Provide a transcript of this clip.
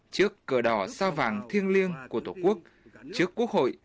trước cờ đỏ sao vàng thiêng liêng của tổ quốc trước quốc hội